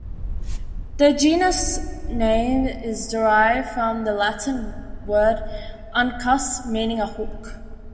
The genus name is derived from the Latin word "uncus", meaning "a hook".